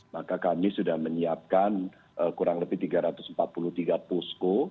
jadi kami sudah menyiapkan kurang lebih tiga ratus empat puluh tiga pusko